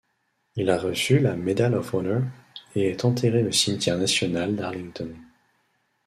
Il a reçu la Medal of Honor et est enterré au cimetière national d'Arlington.